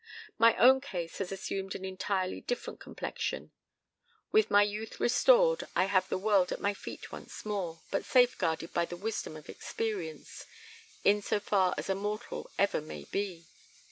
"My own case has assumed an entirely different complexion. With my youth restored I have the world at my feet once more, but safeguarded by the wisdom of experience in so far as a mortal ever may be.